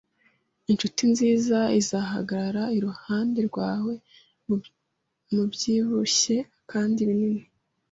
Inshuti nziza izahagarara iruhande rwawe mubyibushye kandi binini